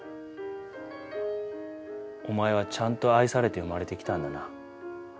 お前はちゃんと愛されて生まれてきたんだな。